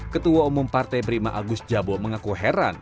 ketua umum partai prima agus jabo mengaku heran